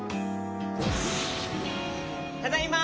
ただいま！